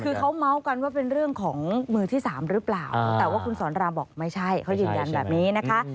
คือเขาเมาส์กันว่าเป็นเรื่องของมือที่สามหรือเปล่าแต่ว่าคุณสอนรามบอกไม่ใช่เขายืนยันแบบนี้นะคะ